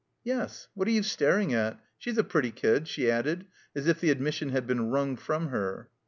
"Yes. What are you staring at? She's a pretty kid," she added, as if the admission had been wrung from her.